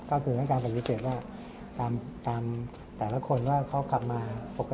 ก็บอกว่าตามแต่ละคนว่าเค้าเลยทำขับมาปกติ